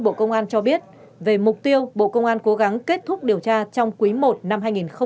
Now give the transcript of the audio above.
bộ công an cho biết về mục tiêu bộ công an cố gắng kết thúc điều tra trong quý i năm hai nghìn hai mươi bốn